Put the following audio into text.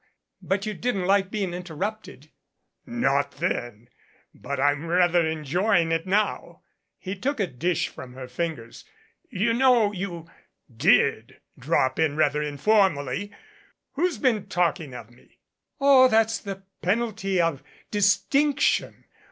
But you didn't like being interrupted." "Not then but I'm rather enjoying it now." He took a dish from her fingers. "You know you did drop in rather informally. Who's been talking of me?" "Oh, that's the penalty of distinction.